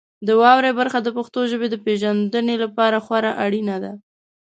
د واورئ برخه د پښتو ژبې د پیژندنې لپاره خورا اړینه ده.